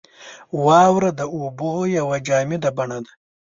• واوره د اوبو یوه جامده بڼه ده.